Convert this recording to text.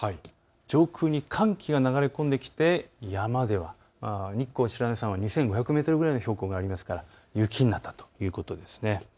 上空に寒気が流れ込んできて日光白根山は２５００メートルくらいの標高がありますから雪になったということですね。